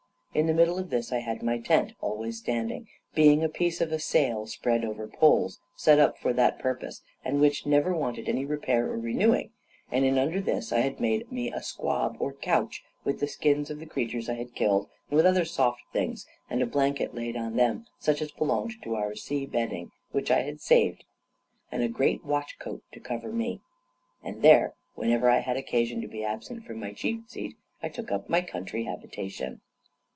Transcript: In the middle of this I had my tent always standing, being a piece of a sail spread over poles, set up for that purpose, and which never wanted any repair or renewing; and under this I had made me a squab or couch with the skins of the creatures I had killed, and with other soft things, and a blanket laid on them, such as belonged to our sea bedding, which I had saved; and a great watch coat to cover me. And there, whenever I had occasion to be absent from my chief seat, I took up my country habitation.